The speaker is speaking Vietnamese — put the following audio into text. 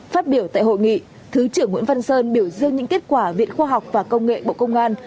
phát biểu tại hội nghị thứ trưởng nguyễn văn sơn biểu dương những kết quả viện khoa học và công nghệ bộ công an